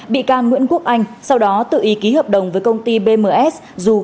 bị can nguyễn quốc anh sau đó tự ý ký hợp đồng với công ty bms dù